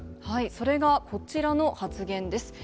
それがこちらの発言です。